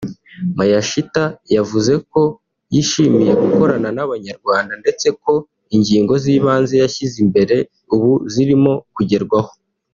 Miyashita yavuze ko yishimiye gukorana n’Abanyarwanda ndetse ko ingingo z’ibanze yashyize imbere ubu zirimo kugerwaho